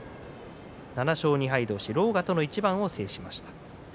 ７勝２敗同士、狼雅との一番を制しました。